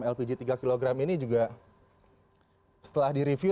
lpg tiga kg ini juga setelah direview